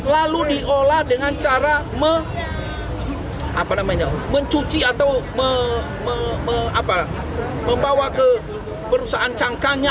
lalu diolah dengan cara mencuci atau membawa ke perusahaan cangkangnya